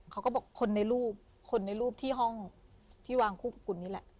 เขาก็บอกคนในรูปคนในรูปที่ห้องที่วางคู่กับคุณนี่แหละ